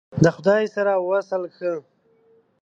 د خدای سره وصل ښه !